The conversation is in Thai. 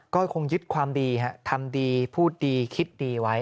ก็คงยึดความดีทำดีพูดดีคิดดีไว้